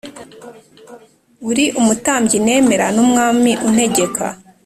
Uri umutambyi nemera ni umwami untegeka